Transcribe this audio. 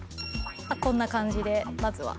こんな感じでまずは。